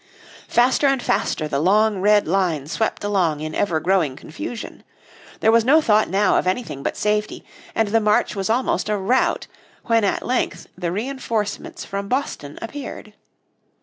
Faster and faster the long red line swept along in every growing confusion. There was no thought now of anything but safety, and the march was almost a rout when at length the reinforcements from Boston appeared.